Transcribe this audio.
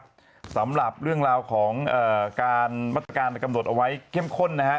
สำหรับเรื่องราวของการมาตรการกำหนดเอาไว้เข้มข้นนะฮะ